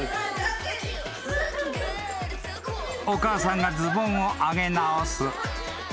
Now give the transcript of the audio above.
［お母さんがズボンを上げ直す］